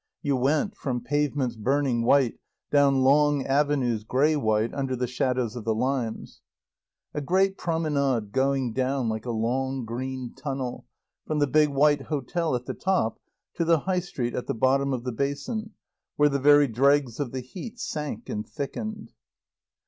You went, from pavements burning white, down long avenues grey white under the shadows of the limes. A great Promenade going down like a long green tunnel, from the big white Hotel at the top to the High Street at the bottom of the basin where the very dregs of the heat sank and thickened.